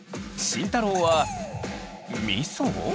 慎太郎はみそ？